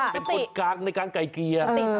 เป็นคนกลางในการไก่เกลี่ย